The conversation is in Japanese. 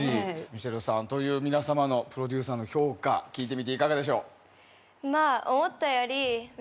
美貝さんという皆様のプロデューサーの評価聞いてみていかがでしょう？